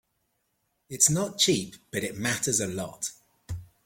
It's not cheap, but it matters a lot.